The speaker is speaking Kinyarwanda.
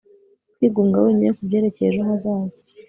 Kwigunga wenyine kubyerekeye ejo hazaza